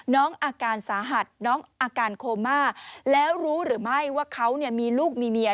น้องอาการสาหัสน้องอาการโคม่าแล้วรู้หรือไม่ว่าเขามีลูกมีเมีย